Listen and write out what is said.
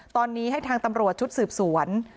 ตอนนี้ให้ทางตำรวจชุดสืบสวน